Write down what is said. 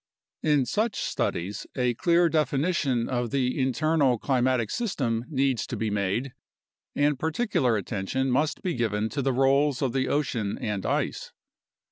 In such studies a clear definition of the internal climatic system needs to be made, and particular attention must be given to the roles of the ocean and ice.